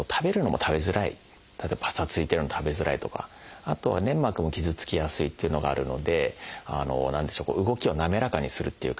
例えばぱさついてるの食べづらいとかあとは粘膜も傷つきやすいっていうのがあるので何でしょう動きを滑らかにするっていうか。